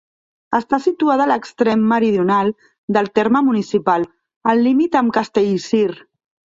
Està situada a l'extrem meridional del terme municipal, al límit amb Castellcir.